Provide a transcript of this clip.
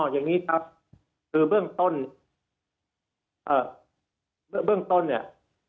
อย่างนี้ครับคือเบื้องต้นเบื้องต้นเนี่ย